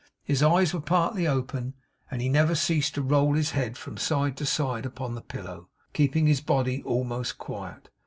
His eyes were partly open, and he never ceased to roll his head from side to side upon the pillow, keeping his body almost quiet.